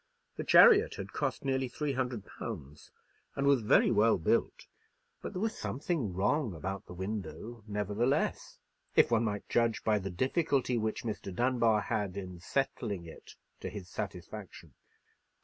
The chariot had cost nearly three hundred pounds, and was very well built: but there was something wrong about the window nevertheless, if one might judge by the difficulty which Mr. Dunbar had, in settling it to his satisfaction.